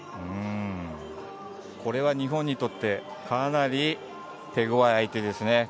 これは日本にとってかなり手ごわい相手ですね。